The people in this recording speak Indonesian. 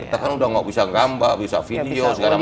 kita kan udah gak bisa gambar bisa video segala macam